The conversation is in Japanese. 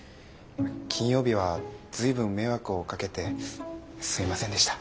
金曜日は随分迷惑をかけてすみませんでした。